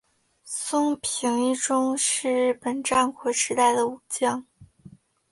松平伊忠是日本战国时代的武将。